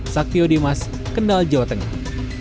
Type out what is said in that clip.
saktio dimas kendal jawa tengah